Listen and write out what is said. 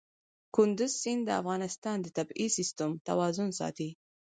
کندز سیند د افغانستان د طبعي سیسټم توازن ساتي.